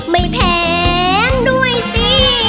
ไม่แพงด้วยสิ